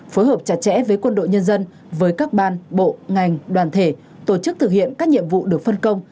phối hợp chặt chẽ với quân đội nhân dân với các ban bộ ngành đoàn thể tổ chức thực hiện các nhiệm vụ được phân công